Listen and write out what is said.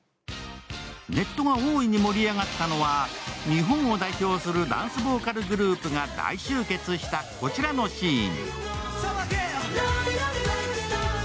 ネットが大いに盛り上がったのは日本を代表するダンスボーカルグループが大集結したこちらのシーン。